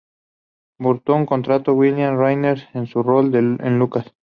Burton contrató a Winona Ryder por su rol en Lucas.